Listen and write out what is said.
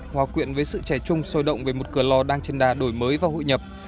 hòa quyện với sự trẻ chung sôi động về một cửa lò đang trên đà đổi mới và hội nhập